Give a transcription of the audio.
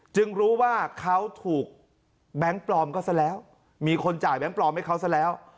จึงรู้ว่าเขาถูกแบงค์ปลอมก็ซะแล้วมีคนจ่ายแบงค์ปลอมให้เขาซะแล้ว